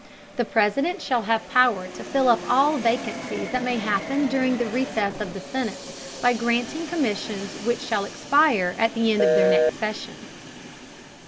The President shall have Power to fill up all Vacancies that may happen during the Recess of the Senate, by granting Commissions which shall expire at the End of their next Session.